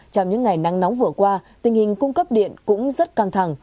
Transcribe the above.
trong những ngày nắng nóng vừa qua tình hình cung cấp điện cũng rất căng thẳng